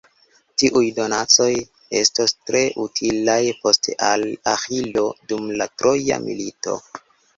Tiuj donacoj estos tre utilaj poste al Aĥilo dum la Troja milito.